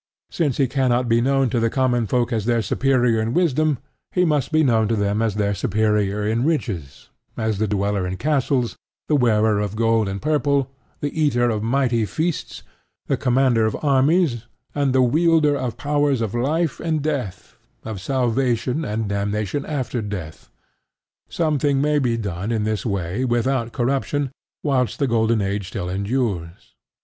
Since he cannot be known to the common folk as their superior in wisdom, he must be known to them as their superior in riches, as the dweller in castles, the wearer of gold and purple, the eater of mighty feasts, the commander of armies, and the wielder of powers of life and death, of salvation and damnation after death. Something may be done in this way without corruption whilst the golden age still endures.